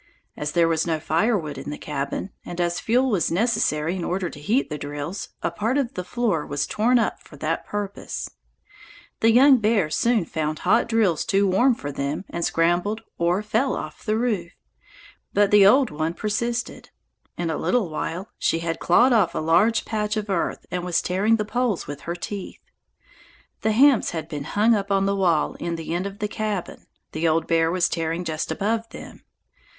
As there was no firewood in the cabin, and as fuel was necessary in order to heat the drills, a part of the floor was torn up for that purpose. The young bears soon found hot drills too warm for them and scrambled or fell off the roof. But the old one persisted. In a little while she had clawed off a large patch of earth and was tearing the poles with her teeth. The hams had been hung up on the wall in the end of the cabin; the old bear was tearing just above them.